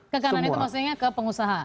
ke kanan itu maksudnya ke pengusaha